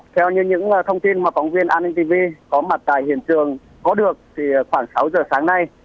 theo như những thông tin mà phóng viên antv có mặt tại hiện trường có được thì khoảng sáu giờ sáng nay